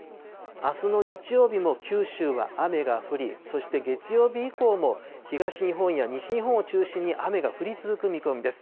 あすの日曜日も、九州は雨が降り、そして、月曜日以降も東日本や西日本を中心に雨が降り続く見込みです。